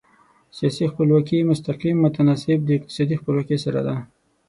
سیاسي خپلواکي مستقیم متناسب د اقتصادي خپلواکي سره ده.